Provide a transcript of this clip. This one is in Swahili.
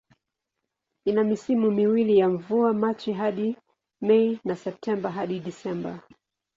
Ina misimu miwili ya mvua, Machi hadi Mei na Septemba hadi Disemba.